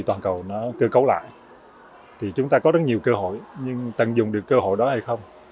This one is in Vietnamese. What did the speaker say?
toàn cầu nó cơ cấu lại thì chúng ta có rất nhiều cơ hội nhưng tận dụng được cơ hội đó hay không